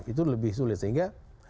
itu lebih sulit sehingga